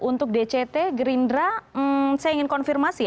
untuk dct gerindra saya ingin konfirmasi